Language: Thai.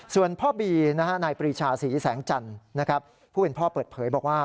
ส่วนพ่อบีนายปรีชาศรีแสงจันทร์ผู้เป็นพ่อเปิดเผยบอกว่า